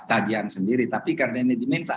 kajian sendiri tapi karena ini diminta